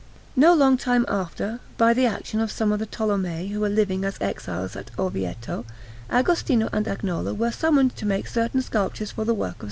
No long time after, by the action of some of the Tolomei who were living as exiles at Orvieto, Agostino and Agnolo were summoned to make certain sculptures for the work of S.